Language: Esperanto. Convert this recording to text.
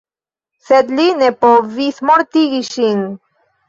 Sed li ne povis mortigi ŝin.